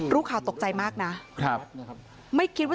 รู้ข่าวตกใจมากนะครับไม่คิดว่า